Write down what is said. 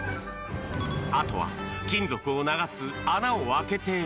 あとは金属を流す穴を開けて。